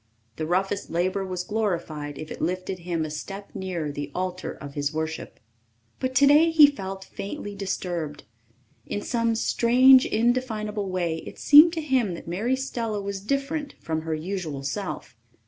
The roughest labour was glorified if it lifted him a step nearer the altar of his worship. But today he felt faintly disturbed. In some strange, indefinable way it seemed to him that Mary Stella was different from her usual self.